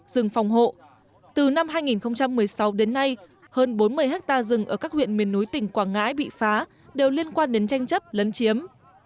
rừng phòng hộ từ năm hai nghìn một mươi sáu đến nay hơn bốn mươi ha rừng ở các huyện miền núi tỉnh quảng ngãi bị phá đều liên quan đến tranh chấp lấn chiếm